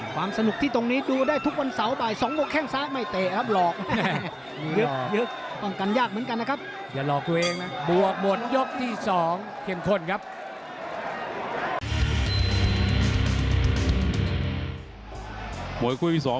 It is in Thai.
ความสนุกที่ตรงนี้ดูได้ทุกวันเสาร์ออมาศ